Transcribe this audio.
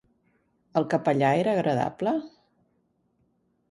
El capellà era agradable?